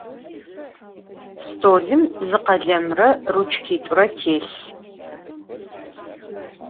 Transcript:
Stolım zı khelemre ruçkit'ure têlh.